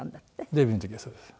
デビューの時はそうです。